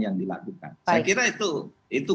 yang dilakukan saya kira itu